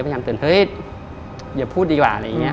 เฮ้ยอย่าพูดดีหวะอะไรอย่างเงี้ย